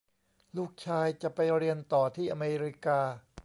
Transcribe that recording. ลูกชายจะไปเรียนต่อที่อเมริกา